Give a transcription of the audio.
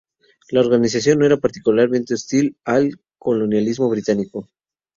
La organización no era particularmente hostil al colonialismo británico.